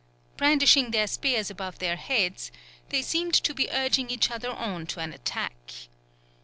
Brandishing their spears above their heads, they seemed to be urging each other on to an attack.